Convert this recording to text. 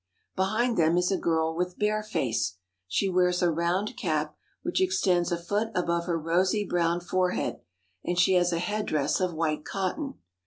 Behind them is a girl with bare face. She wears a round cap which extends a foot above her rosy brown forehead, and she has a headdress of white cotton.